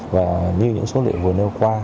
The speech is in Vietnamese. và như những số liệu vừa nêu qua